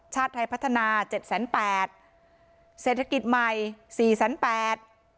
ชาติไทยพัฒนาเจ็ดแสนแปดเศรษฐกิจใหม่สี่แสนแปด